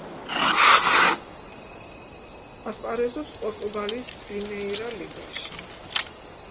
ასპარეზობს პორტუგალიის პრიმეირა ლიგაში.